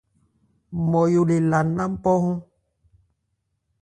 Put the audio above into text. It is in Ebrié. Nmɔyo le la nná mpɔhɔ́n.